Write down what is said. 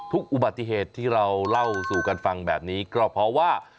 อุบัติเหตุที่เราเล่าสู่กันฟังแบบนี้ก็เพราะว่า